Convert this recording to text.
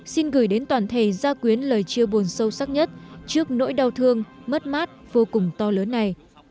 xin gửi đến toàn thể ra quyến lời chia buồn sâu sắc nhất trước nỗi đau thương mất mát vô cùng to lớn này